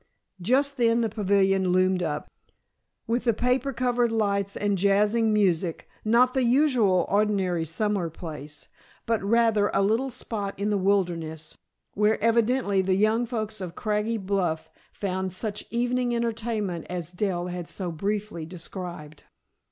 Just then the pavilion loomed up, with the paper covered lights and jazzing music, not the usual, ordinary summer place, but rather a little spot in the wilderness where, evidently, the young folks of Craggy Bluff found such evening entertainment as Dell had so briefly described.